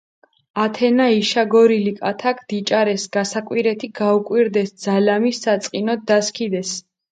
ათენა იშაგორილი კათაქ დიჭარეს, გასაკვირეთი გუკვირდეს, ძალამი საწყინოთ დასქიდეს.